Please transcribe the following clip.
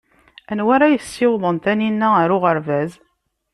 Anwa ara yessiwḍen Taninna ɣer uɣerbaz?